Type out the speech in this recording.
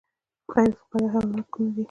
غیر فقاریه حیوانات کوم دي